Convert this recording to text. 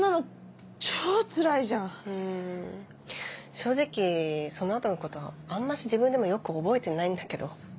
正直その後のことはあんまし自分でもよく覚えてないんだけど。